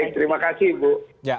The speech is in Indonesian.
baik terima kasih bu